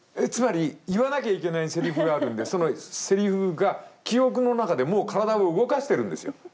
つまり言わなきゃいけないセリフがあるんでそのセリフが記憶の中でもう体を動かしてるんですよ。